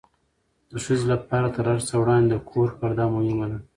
د ښځې لپاره تر هر څه وړاندې د کور پرده مهمه ده.